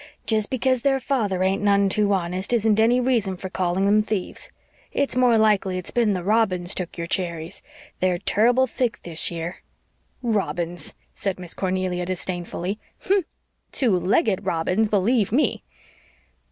Jest because their father ain't none too honest isn't any reason for calling them thieves. It's more likely it's been the robins took your cherries. They're turrible thick this year." "Robins!" said Miss Cornelia disdainfully. "Humph! Two legged robins, believe ME!"